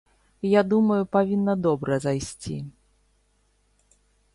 Я думаю, павінна добра зайсці!